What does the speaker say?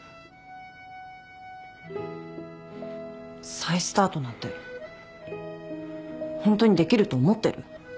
再スタートなんてホントにできると思ってる？